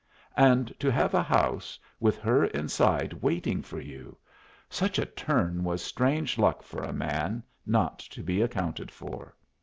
And to have a house, with her inside waiting for you! Such a turn was strange luck for a man, not to be accounted for.